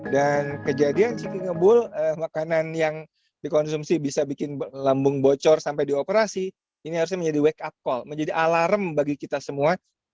dan kejadian ciki ngebul makanan yang dikonsumsi bisa bikin lambung bocor sampai dioperasi ini harusnya menjadi wake up call menjadi alarm bagi kita semua